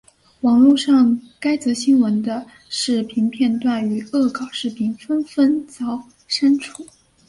网路上该则新闻的视频片段与恶搞视频纷纷遭删除。